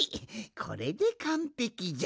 これでかんぺきじゃ。